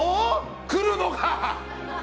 来るのが。